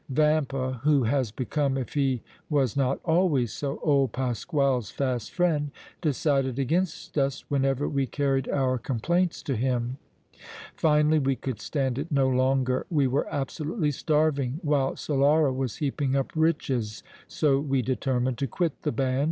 Vampa, who has become, if he was not always so, old Pasquale's fast friend, decided against us whenever we carried our complaints to him. Finally we could stand it no longer; we were absolutely starving while Solara was heaping up riches, so we determined to quit the band.